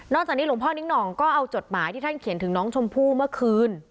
จากนี้หลวงพ่อนิ้งหน่องก็เอาจดหมายที่ท่านเขียนถึงน้องชมพู่เมื่อคืน